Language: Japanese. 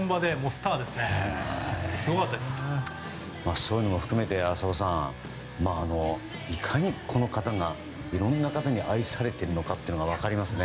そういうものも含めて浅尾さん、いかにこの方がいろんな方に愛されているのかが分かりますね。